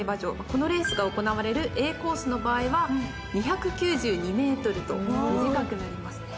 このレースが行われるＡコースの場合は２９２ｍと短くなります。